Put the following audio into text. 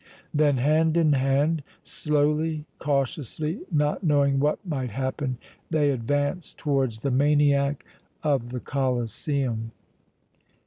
Then, hand in hand, slowly, cautiously, not knowing what might happen, they advanced towards the maniac of the Colosseum.